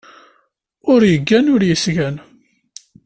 Ur yeggan ur yesgan.